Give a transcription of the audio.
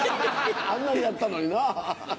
あんなにやったのにな。